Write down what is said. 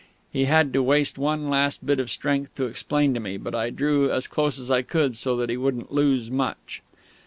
He had to waste one last bit of strength to explain to me, but I drew as close as I could, so that he wouldn't lose much.